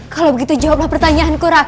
kalau begitu jawablah pertanyaanku